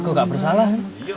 aku nggak bersalah